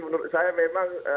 menurut saya memang